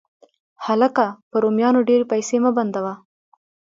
هلکه! په رومیانو ډېرې پیسې مه بندوه